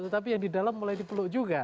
tetapi yang di dalam mulai dipeluk juga